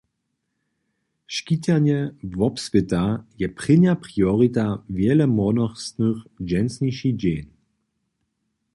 Škitanje wobswěta je prěnja priorita wjele młodostnych dźensniši dźeń.